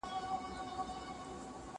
زه به سبا د ژبي تمرين کوم!